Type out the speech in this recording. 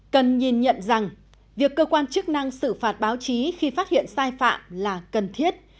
cần nhìn nhận rằng việc cơ quan chức năng xử phạt báo chí khi phát hiện sai phạm là cần thiết